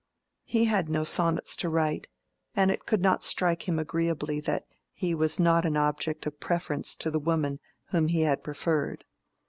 He had no sonnets to write, and it could not strike him agreeably that he was not an object of preference to the woman whom he had preferred.